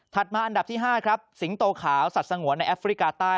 มาอันดับที่๕ครับสิงโตขาวสัตว์สงวนในแอฟริกาใต้